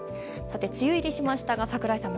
梅雨入りしましたが、櫻井さん